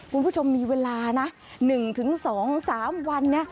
คุณผู้ชมมีเวลานะ๑๒๓วันนี้